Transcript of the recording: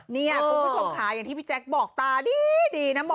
เนี่ยคุณพี่สงขาอย่างที่พี่แจ๊กบอกตาดิน่ะ